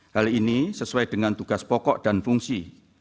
hal ini sesuai dengan tugas pokok dan fungsi